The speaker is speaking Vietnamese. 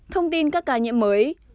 thông tin các ca nhiễm mới